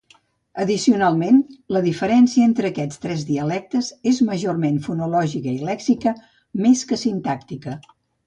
Addicionalment, la diferència entre aquests tres dialectes és majorment fonològica i lèxica més que sintàctica.